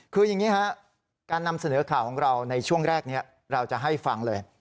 คืออย่างนี้ฮะการนำเสนอข่าวของเราในช่วงแรกนี้เราจะให้ฟังเลย